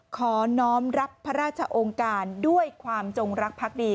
ขอน้องรับพระราชองค์การด้วยความจงรักพักดี